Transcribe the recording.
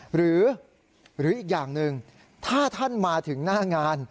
หรืออีกอย่างหนึ่งถ้าท่านมาถึงหน้างาน